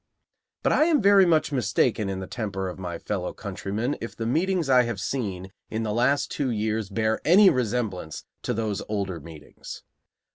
But I am very much mistaken in the temper of my fellow countrymen if the meetings I have seen in the last two years bear any resemblance to those older meetings.